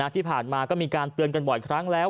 ที่ผ่านมาก็มีการเตือนกันบ่อยครั้งแล้ว